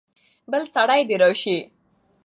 بل سړی دې راسي.